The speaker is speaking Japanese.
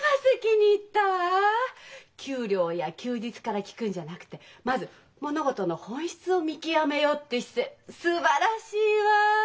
給料や休日から聞くんじゃなくてまず物事の本質を見極めようって姿勢すばらしいわ！